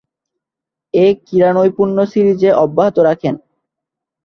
এ ক্রীড়ানৈপুণ্য সিরিজে অব্যাহত রাখেন।